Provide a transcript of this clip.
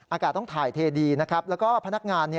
อากาศต้องถ่ายเทดีนะครับแล้วก็พนักงาน